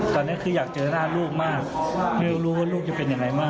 ตอนนี้คืออยากเจอหน้าลูกมากไม่รู้ว่าลูกจะเป็นยังไงมาก